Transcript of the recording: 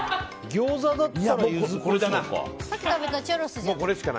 ギョーザだったらユズコショウか。